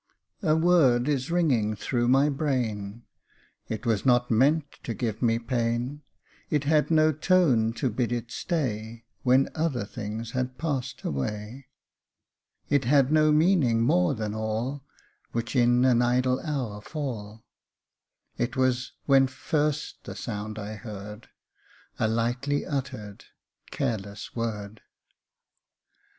A WOBD is ringing thro 1 my brain, It was not meant to give me pain ; It had no tone to bid it stay, When other things had past away ; It had no meaning more than all Which in an idle hour fall : It was when first the sound I heard A lightly uttered, careless word.